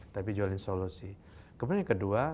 tapi jualin solusi kemudian yang kedua